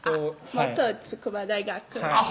元筑波大学あっ